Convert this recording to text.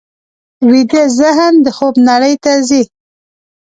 ویده ذهن د خوب نړۍ ته ځي